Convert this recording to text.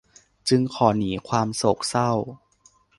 จึงขอหนีความโศกเศร้า